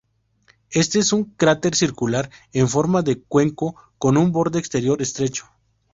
Este es un cráter circular en forma de cuenco, con un borde exterior estrecho.